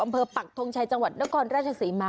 อำเภอปักทงชายจังหวัดนกรราชสีมา